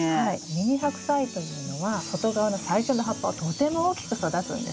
ミニハクサイというのは外側の最初の葉っぱはとても大きく育つんです。